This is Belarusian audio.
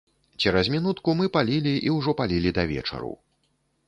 Цераз мінутку мы палілі і ўжо палілі да вечару.